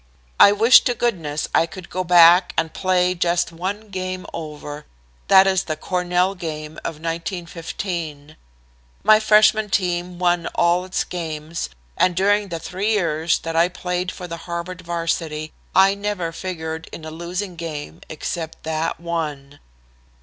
I wish to goodness I could go back and play just one game over that is the Cornell game of 1915. My freshman team won all its games, and during the three years that I played for the Harvard Varsity I never figured in a losing game except that one.